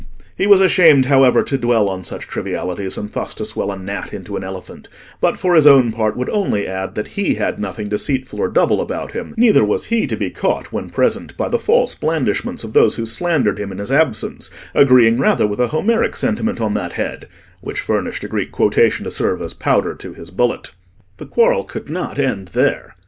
He was ashamed, however, to dwell on such trivialities, and thus to swell a gnat into an elephant; but, for his own part, would only add that he had nothing deceitful or double about him, neither was he to be caught when present by the false blandishments of those who slandered him in his absence, agreeing rather with a Homeric sentiment on that head—which furnished a Greek quotation to serve as powder to his bullet. The quarrel could not end there.